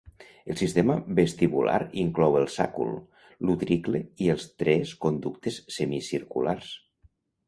El sistema vestibular inclou el sàcul, l'utricle i els tres conductes semicirculars.